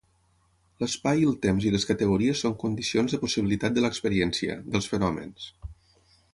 L'espai i el temps i les categories són condicions de possibilitat de l'experiència, dels Fenòmens.